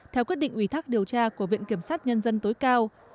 theo quyết định ủy thắc điều tra của viện kiểm sát nhân dân tối cao